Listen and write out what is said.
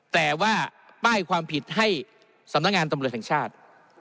แต่ว่าป้ายความผิดให้สำนักงานตำรวจแห่งชาติ